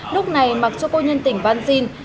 lúc này mặc cho cô nhân tỉnh văn sinh